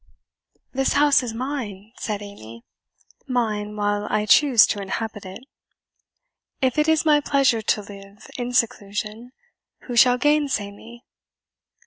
"This house is mine," said Amy "mine while I choose to inhabit it. If it is my pleasure to live in seclusion, who shall gainsay me?"